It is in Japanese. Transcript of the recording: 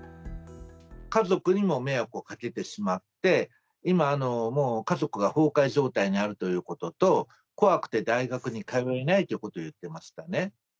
家族にも迷惑をかけてしまって、今、もう家族が崩壊状態にあるということと、怖くて大学に通えないということを言ってましたね。